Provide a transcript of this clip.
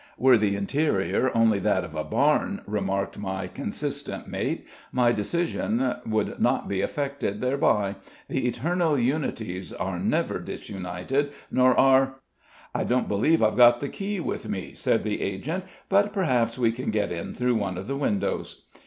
"Were the interior only that of a barn," remarked my consistent mate, "my decision would not be affected thereby. The eternal unities are never disunited, nor are " "I don't believe I've got the key with me," said the agent; "but perhaps we can get in through one of the windows."